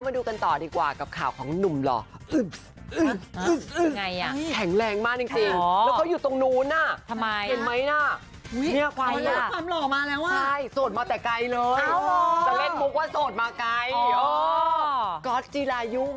มาดูกันต่อดีกว่ากับข่าวของหนุ่มหล่อ